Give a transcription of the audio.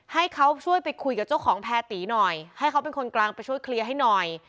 ให้เขาช่วยไปคุยกับเจ้าของแพรตีหน่อยให้เขาเป็นคนกลางไปช่วยเคลียร์ให้หน่อย